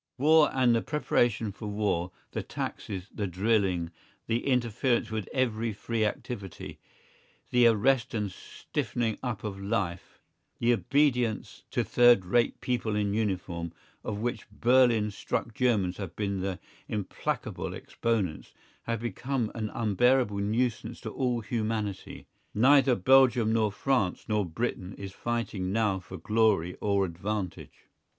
War and the preparation for war, the taxes, the drilling, the interference with every free activity, the arrest and stiffening up of life, the obedience to third rate people in uniform, of which Berlin struck Germans have been the implacable exponents, have become an unbearable nuisance to all humanity. Neither Belgium nor France nor Britain is fighting now for glory or advantage.